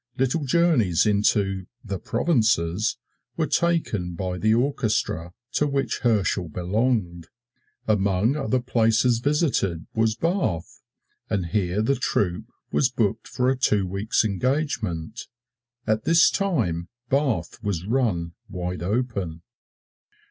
Little journeys into "the provinces" were taken by the orchestra to which Herschel belonged. Among other places visited was Bath, and here the troupe was booked for a two weeks' engagement. At this time Bath was run wide open.